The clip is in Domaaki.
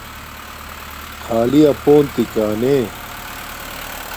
خݳلݵ اپݸن تِکݳنݺ.